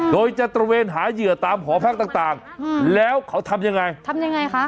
โดยจะตระเวนหาเหยื่อตามหอพักต่างต่างแล้วเขาทำยังไงทำยังไงคะ